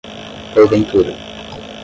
porventura